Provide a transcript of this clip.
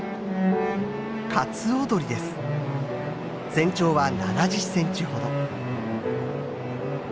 全長は７０センチほど。